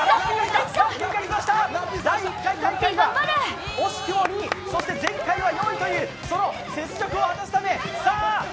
第１回では惜しくも２位、前回は４位という、その雪辱を果たすため！